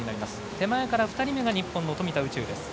手前から２人目が日本の富田宇宙。